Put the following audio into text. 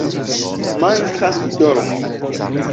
"Mankas dormo"